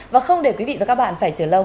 và không để quý vị và các bạn phải chờ lâu